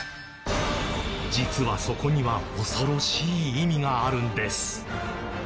実はそこには恐ろしい意味があるんです。